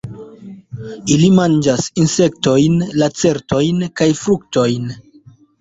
Ili manĝas insektojn, lacertojn kaj fruktojn.